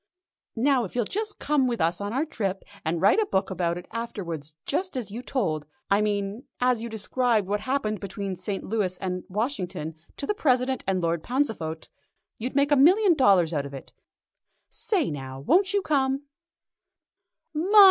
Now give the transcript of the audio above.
Now if you'll just come with us on our trip, and write a book about it afterwards just as you told I mean as you described what happened between the St. Louis and Washington, to the President and Lord Pauncefote, you'd make a million dollars out of it. Say now, won't you come?"